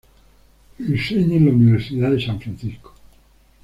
Enseña en la Universidad de San Francisco.